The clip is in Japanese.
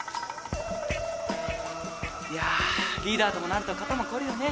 いやぁリーダーともなると肩も凝るよね。